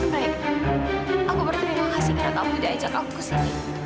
aku berterima kasih karena kamu sudah ajak aku ke sini